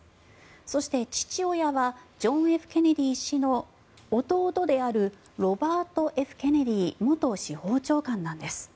そして父親はジョン・Ｆ・ケネディ氏の弟であるロバート・Ｆ・ケネディ元司法長官なんです。